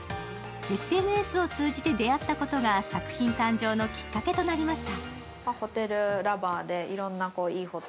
ＳＮＳを通じて出会ったことが作品誕生のきっかけとなりました。